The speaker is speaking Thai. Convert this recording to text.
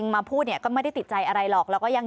ไม่อยากมีปัญหา๖๐บาทส่วนต่าง